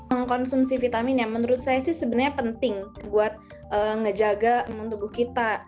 mengonsumsi vitamin yang menurut saya sebenarnya penting buat menjaga tubuh kita